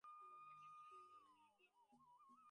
একটি ঘরে নিবারণ ও শৈলবালার শয়নগৃহ।